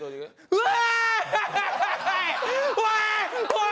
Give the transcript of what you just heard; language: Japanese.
うわーい！